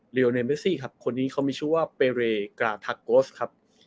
เรียวในเมสซี่ครับคนนี้เขามีชื่อว่าเปรเดกลาทางกอต๊ศครับ